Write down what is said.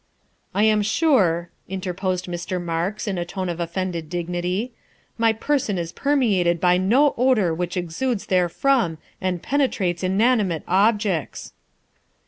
' I am sure," interposed Mr. Marks in a tone of offended dignity, " my person is permeated by no odor which exudes therefrom and penetrates inanimate objects."